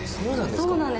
そうなんです。